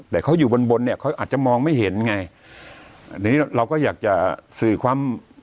แต่เขาอยู่บนบนเนี่ยเขาอาจจะมองไม่เห็นไงอันนี้เราก็อยากจะสื่อความ